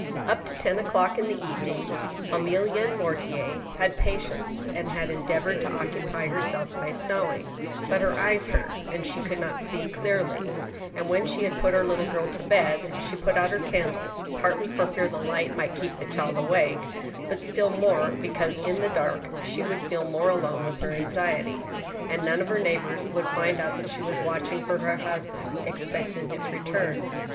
Up to ten o'clock in the evening Emilienne Mortier had had pa tience, and had endeavored to occupy herself by sewing, but her eyes hurt her, she could not see clearly, and, when she had put her little girl to bed, she put out her candle, partly for fear the light might keep the child awake, but still more because in the dark she would feel more alone with her anxiety, and none of her neighbors would find out that she was watching for her husband, expecting his return.